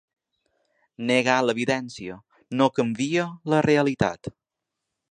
Negar l’evidència no canvia la “realitat”.